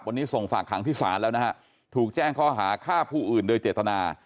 วันนี้ส่งฝากขังที่ศาลแล้วนะฮะถูกแจ้งข้อหาฆ่าผู้อื่นโดยเจตนา